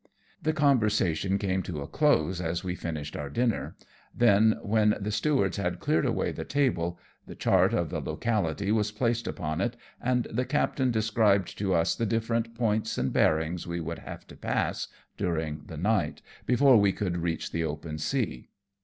The conversation came to a close as we finished our dinner, then, when the stewards had cleared away the table, the chart of the locality was placed upon it, and the captain described to us the different points and bearings we would have to pass during the night, before we could reach the open sea.